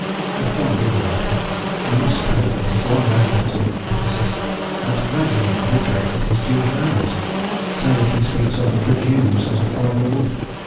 If John be the writer, we must suppose that his long residence in Ephesus had gradually obliterated his Jewish memories, so that he speaks of "the Jews" as a foreigner would.